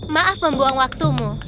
maaf membuang waktumu